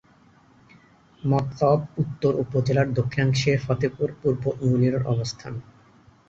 মতলব উত্তর উপজেলার দক্ষিণাংশে ফতেপুর পূর্ব ইউনিয়নের অবস্থান।